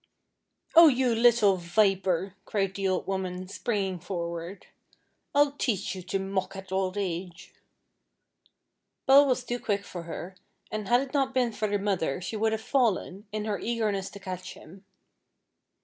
"Oh, you little viper," cried the old woman, springing forward, "I'll teach you to mock at old age." Paul was too quick for her, and had it not been for the mother she would have fallen, in her eagerness to catch him.